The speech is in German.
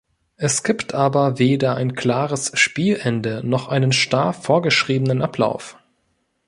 Es gibt aber weder ein klares Spielende noch einen starr vorgeschriebenen Ablauf.